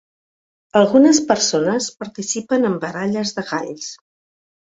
Algunes persones participen en baralles de galls.